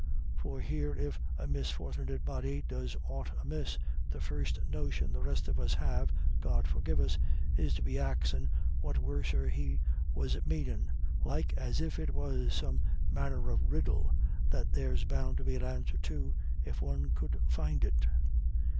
For here if a misfort'nit body does aught amiss, the first notion the rest of us have, God forgive us, is to be axin' what worser he was manin', like as if it was some manner of riddle, that there's bound to be an answer to, if one could find it."